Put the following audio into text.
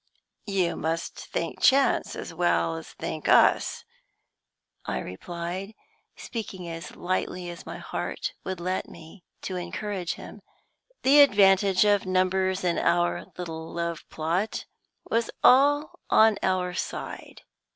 "You must thank Chance as well as thank us," I replied, speaking as lightly as my heart would let me, to encourage him. "The advantage of numbers in our little love plot was all on our side.